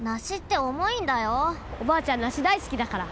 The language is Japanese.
おばあちゃんナシだいすきだから。